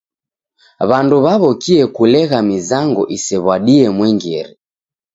W'andu w'aw'okie kulegha mizango isew'adie mwengere.